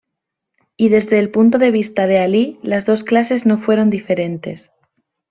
Y desde el punto de vista de Alí, las dos clases no fueron diferentes.